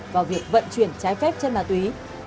vào việc vận chuyển trái phép chân ma túy